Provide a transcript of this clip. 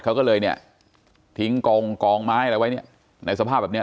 เขาก็เลยเนี่ยทิ้งกองกองไม้อะไรไว้เนี่ยในสภาพแบบเนี้ย